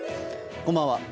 こんばんは。